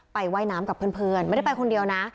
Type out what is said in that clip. ว่ายน้ำกับเพื่อนไม่ได้ไปคนเดียวนะ